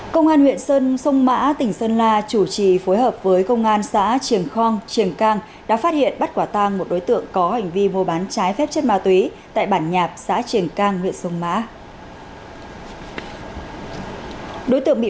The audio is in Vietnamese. công an huyện sơn sông mã tỉnh sơn la chủ trì phối hợp với công an xã triềng khong triềng cang đã phát hiện bắt quả tang một đối tượng có hành vi mua bán trái phép chất ma túy tại bản nhạp xã triềng cang